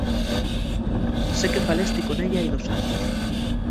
Sé que falesti con ella hai dos años.